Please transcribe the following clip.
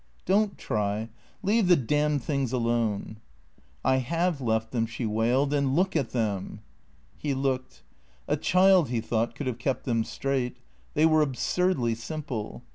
Don't try. Leave the damned things alone." " I have left them," she wailed. " And look at them." He looked. A child, he thought, could have kept them straight. They were absurdly simple.